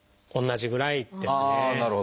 同じぐらいですね。